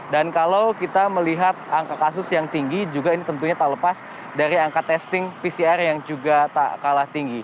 dan kalau kita melihat angka kasus yang tinggi juga ini tentunya tak lepas dari angka testing pcr yang juga tak kalah tinggi